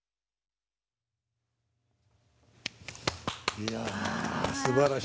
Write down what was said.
いやすばらしい。